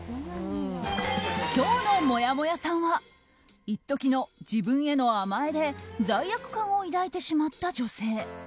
今日のもやもやさんは一時の自分への甘えで罪悪感を抱いてしまった女性。